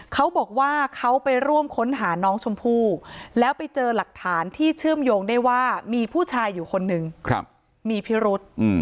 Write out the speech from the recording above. เขาบอกว่าเขาไปร่วมค้นหาน้องชมพู่แล้วไปเจอหลักฐานที่เชื่อมโยงได้ว่ามีผู้ชายอยู่คนหนึ่งมีพิรุษ